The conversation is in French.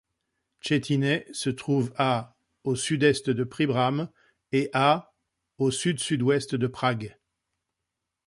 Cetyně se trouve à au sud-est de Příbram et à au sud-sud-ouest de Prague.